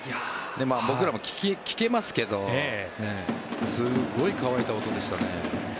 僕らも聞けますけどすごい乾いた音でしたね。